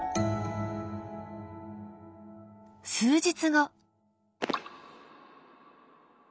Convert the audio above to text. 数日後。